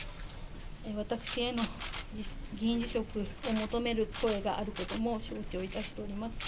私への議員辞職を求める声があることも承知をいたしております。